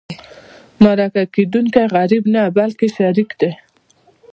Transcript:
مرکه کېدونکی غریب نه بلکې شریك دی.